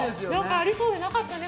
ありそうでなかったね